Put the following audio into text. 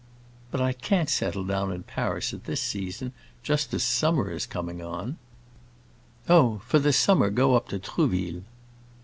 "But I can't settle down in Paris at this season, just as summer is coming on." "Oh, for the summer go up to Trouville."